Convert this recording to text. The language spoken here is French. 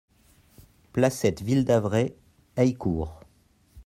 Placette Ville d'Avray, Heillecourt